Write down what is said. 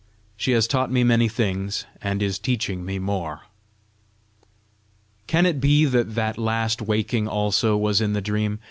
She has taught me many things, and is teaching me more. Can it be that that last waking also was in the dream?